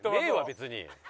別に。